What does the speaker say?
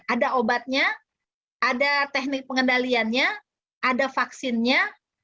ada obatnya ada teknik pengendaliannya ada vaksinnya